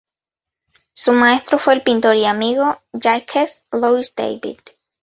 Su maestro fue el pintor y amigo Jacques-Louis David.